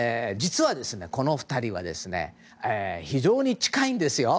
実は、この２人は非常に近いんですよ